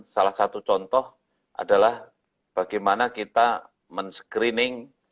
salah satu contoh adalah bagaimana kita men screening